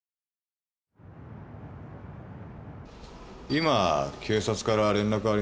今警察から連絡がありました。